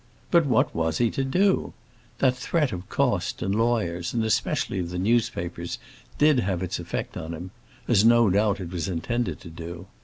But what was he to do? That threat of cost and lawyers, and specially of the newspapers, did have its effect upon him as no doubt it was intended to do.